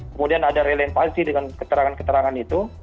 kemudian ada relian falsi dengan keterangan keterangan itu